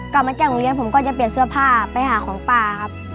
กลับมาจากโรงเรียนผมก็จะเปลี่ยนเสื้อผ้าไปหาของป้าครับ